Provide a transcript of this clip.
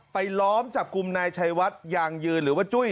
ไปล้อมจับกุมนายฉายวัตต์ยางยืนหรือว่าจุ้ย